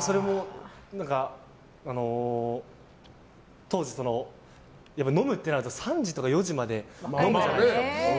それも、当時飲むとなると３時とか４時まで飲むじゃないですか。